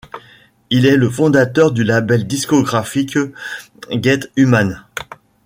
Il est le fondateur du label discographique Get Human.